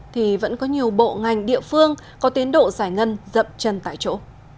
thì vẫn có nhiều bộ ngành địa phương có tiến độ giải ngân dậm chân tại chỗ